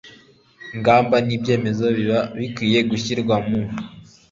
ingamba ni ibyemezo biba bikwiye gushyirwa mu